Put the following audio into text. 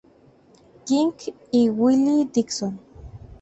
King y Willie Dixon.